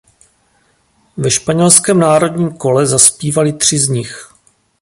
Ve španělském národním kole zazpívali tři z nich.